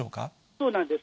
そうなんです。